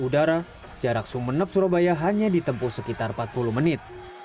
untuk tahap ketiga jadwal penerbangan sumeneb surabaya hanya ditempuh sekitar empat puluh menit